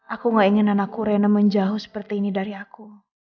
aku gak ingin anakku rena menjauh seperti ini dari aku